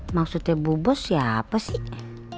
maksudnya bu bos siapa sih